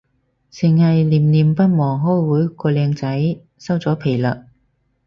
剩係念念不忘開會個靚仔，收咗皮喇